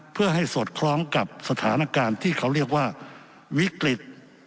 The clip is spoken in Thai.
เพื่อให้สอดคล้องกับสถานการณ์ที่เขาเรียกว่าวิกฤต